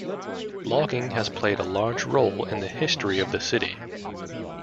Logging has played a large role in the history of the city.